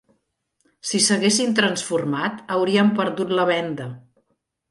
Si s'haguessin transformat haurien perdut la venda